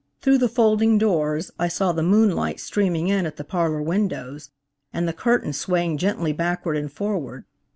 Through the folding doors I saw the moonlight streaming in at the parlor windows, and the curtain swaying gently backward and forward.